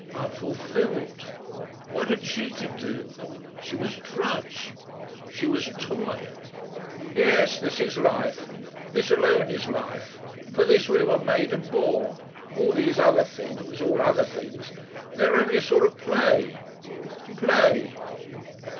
Unfulfilled ... What had she to do? She was drudge, she was toy ... "Yes. This is life. This alone is life! For this we were made and born. All these other things all other things they are only a sort of play.... "Play!"